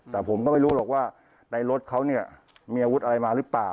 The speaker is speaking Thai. แต่ผมก็ไม่รู้หรอกว่าในรถเขาเนี่ยมีอาวุธอะไรมาหรือเปล่า